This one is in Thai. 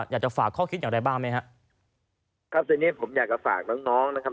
อยากจะฝากข้อคิดอย่างไรบ้างไหมฮะครับทีนี้ผมอยากจะฝากน้องน้องนะครับ